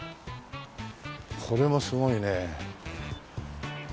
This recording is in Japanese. これもすごいね。